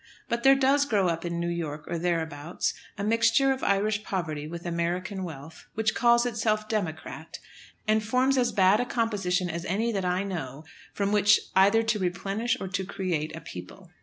But there does grow up in New York, or thereabouts, a mixture of Irish poverty with American wealth, which calls itself "Democrat," and forms as bad a composition as any that I know from which either to replenish or to create a people.